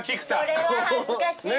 それは恥ずかしいよ。